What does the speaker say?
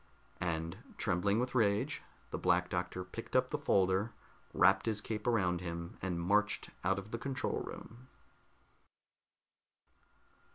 And trembling with rage, the Black Doctor picked up the folder, wrapped his cape around him, and marched out of the control room.